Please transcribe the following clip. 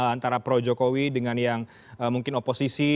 antara pro jokowi dengan yang mungkin oposisi